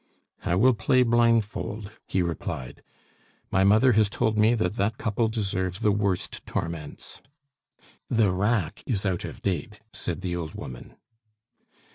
"I will play blindfold," he replied. "My mother has told me that that couple deserve the worst torments " "The rack is out of date," said the old woman.